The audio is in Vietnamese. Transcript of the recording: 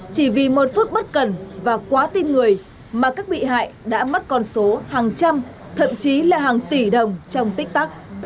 chỉ vì một phút bất cần và quá tin người mà các bị hại đã mất con số hàng trăm thậm chí là hàng tỷ đồng trong tích tắc